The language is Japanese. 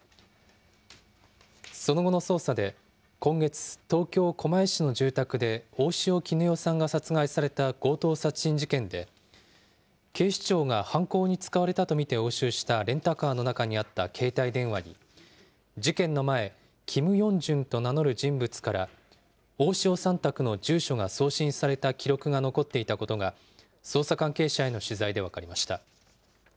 その後の捜査で今月、東京・狛江市の住宅で大塩衣與さんが殺害された強盗殺人事件で、警視庁が犯行に使われたと見て押収したレンタカーの中にあった携帯電話に、事件の前、キム・ヨンジュンと名乗る人物から大塩さん宅の住所が送信された記録が残っていたことが、捜査関係者への取材で分かりました。